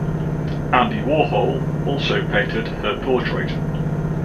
Andy Warhol also painted her portrait.